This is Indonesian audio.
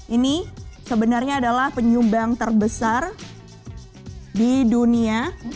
ini sebenarnya adalah penyumbang terbesar di dunia